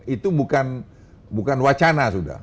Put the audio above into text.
itu bukan wacana sudah